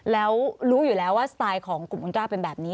แล้วรู้อยู่แล้วว่าสไตล์ของกลุ่มคุณกล้าเป็นแบบนี้